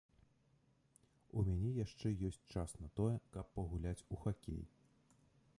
У мяне яшчэ ёсць час на тое, каб пагуляць у хакей.